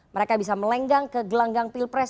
mereka bisa melenggang ke gelanggang pilpres